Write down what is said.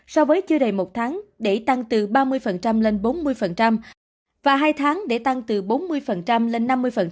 so với chưa đầy một tháng để tăng từ ba mươi lên bốn mươi và hai tháng để tăng từ bốn mươi lên năm mươi